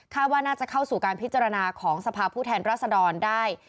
ว่าน่าจะเข้าสู่การพิจารณาของสภาพผู้แทนรัศดรได้